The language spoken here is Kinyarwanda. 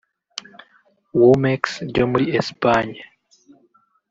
Womex ryo muri Espagne